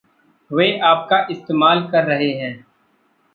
वे आपका इस्तेमाल कर रहे हैं।